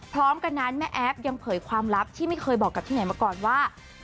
พร้อมกันนั้นแม่แอฟยังเผยความลับที่ไม่เคยบอกกับที่ไหนมาก่อนว่า